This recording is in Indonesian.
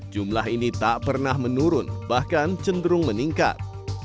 jumlah ini tak pernah menurun bahkan cenderung meningkat